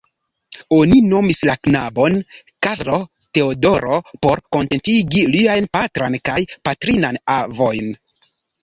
Oni nomis la knabon Karlo-Teodoro por kontentigi liajn patran kaj patrinan avojn.